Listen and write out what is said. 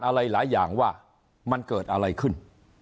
อะไรหลายอย่างว่ามันเกิดอะไรขึ้น